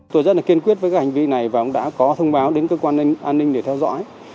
tôi rất là kiên quyết với cái hành vi này và ông đã có thông báo đến cơ quan an ninh để theo dõi